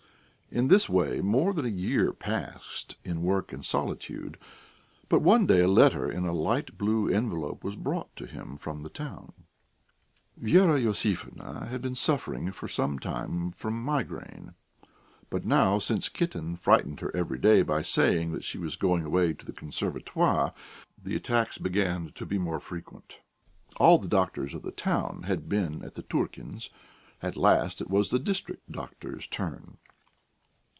In this way more than a year passed in work and solitude. But one day a letter in a light blue envelope was brought him from the town. Vera Iosifovna had been suffering for some time from migraine, but now since Kitten frightened her every day by saying that she was going away to the Conservatoire, the attacks began to be more frequent. All the doctors of the town had been at the Turkins'; at last it was the district doctor's turn.